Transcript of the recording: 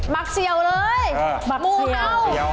ักเสี่ยวเลยงูเห่า